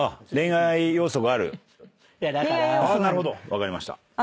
分かりました。